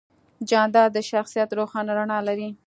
جانداد د شخصیت روښانه رڼا لري.